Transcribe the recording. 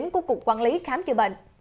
của cục quản lý khám trị